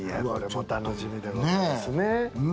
・楽しみでございますね。